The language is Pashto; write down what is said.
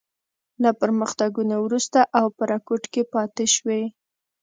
له پرمختګونو وروسته او په رکود کې پاتې شوې.